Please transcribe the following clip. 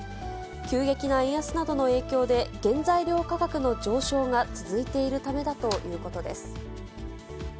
急激な円安などの影響で、原材料価格の上昇が続いているためだということです。